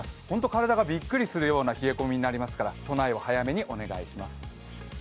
体がびっくりするような冷え込みになりますから備えを早めにお願いします。